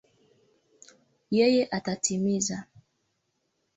Yeye atatimiza.